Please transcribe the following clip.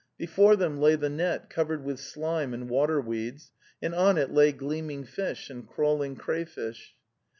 Before them lay the net covered with slime and water weeds, and on it lay gleaming fish and crawling crayfish.